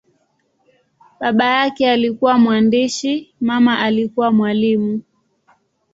Baba yake alikuwa mwandishi, mama alikuwa mwalimu.